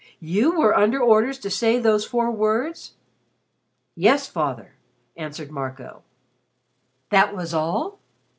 "You were under orders to say those four words?" "Yes, Father," answered Marco. "That was all?